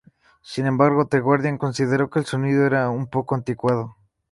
Sin embargo, The Guardian consideró que el sonido era "un poco anticuado".